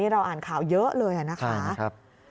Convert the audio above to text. เราอ่านข่าวเยอะเลยนะคะ